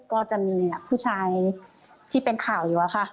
ก็จะมีผู้ชายที่เป็นข่าวอยู่อะค่ะ